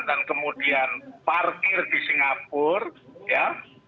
dan kemudian parkir di singapura ya